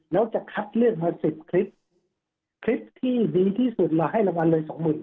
แล้วจะคัดเลือกมา๑๐คลิปคลิปที่ดีที่สุดเราให้รางวัลเลย๒๐๐๐๐บาทครับ